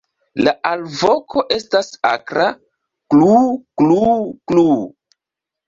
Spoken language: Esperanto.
La alvoko estas akra "kluu-kluu-kluu".